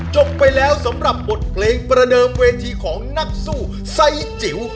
จบไปแล้วสำหรับบทเพลงประเดิมเวทีของนักสู้ไซส์จิ๋ว